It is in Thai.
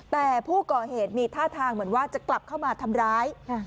แต่ผู้ก่อเหตุมีท่าทางเหมือนว่าจะกลับเข้ามาทำร้าย